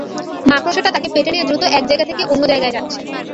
মাকড়সাটা তাঁকে পেটে নিয়ে দ্রুত এক জায়গা থেকে অন্য জায়গায় যাচ্ছে।